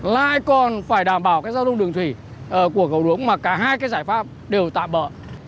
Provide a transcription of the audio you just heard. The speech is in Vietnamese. lại còn phải đảm bảo cái giao thông đường thủy của cầu đống mà cả hai cái giải pháp đều tạm bỡ